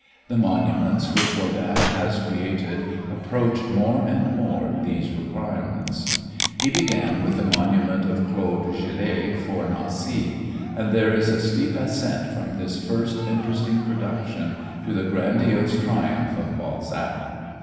The monuments which Rodin has created approach more and more these requirements. He began with the monument of Claude Gelée for Nancy, and there is a steep ascent from this first interesting production to the grandiose triumph of Balzac.